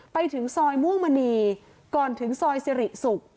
ไปถึงซอยม่วงมณีก่อนถึงซอยสิริศุกร์